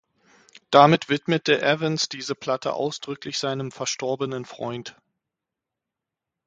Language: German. Damit widmete Evans diese Platte ausdrücklich seinem verstorbenen Freund.